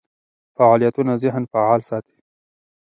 فعالیتونه ذهن فعال ساتي.